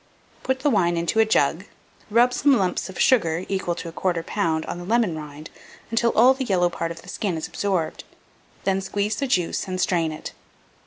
Put the wine into a jug, rub some lumps of sugar (equal to 1/4 lb.) on the lemon rind until all the yellow part of the skin is absorbed, then squeeze the juice, and strain it.